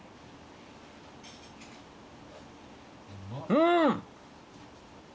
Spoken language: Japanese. うん！